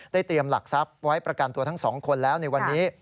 เตรียมหลักทรัพย์ไว้ประกันตัวทั้งสองคนแล้วในวันนี้